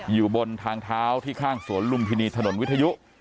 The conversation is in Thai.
อยู่บนทางเท้าที่ข้างสวนลุมพินีถนนวิทยุ